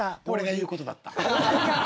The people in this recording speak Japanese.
俺が言うことだった！